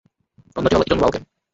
অন্যটি হল Eton wall game.